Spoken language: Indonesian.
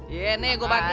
ye nih gue bagi